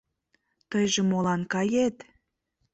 Тыйже молан кает?